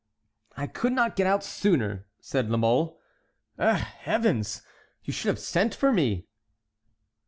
"I could not get out sooner," said La Mole. "Eh! Heavens! you should have sent for me."